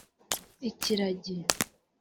‘Ikiragi’